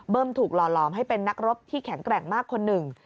ถูกหล่อหลอมให้เป็นนักรบที่แข็งแกร่งมากคนหนึ่ง